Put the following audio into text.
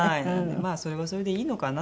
まあそれはそれでいいのかなと。